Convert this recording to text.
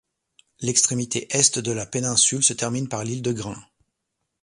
L'extrémité est de la péninsule se termine par l'île de Grain.